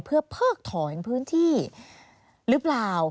เพื่อเพิกถอนพื้นที่หรือเปล่า